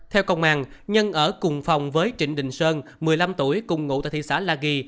theo công an nhân ở cùng phòng với trịnh đình sơn một mươi năm tuổi cùng ngụ tại thị xã la ghi